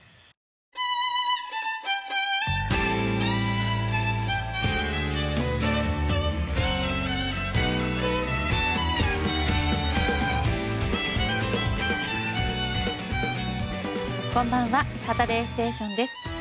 「サタデーステーション」です。